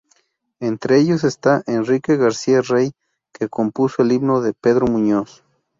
Entre ellos está Enrique García Rey que compuso el himno de Pedro Muñoz.